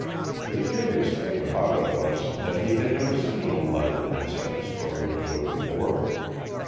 The curious thing about it was that he had never seen a light in that second story window before.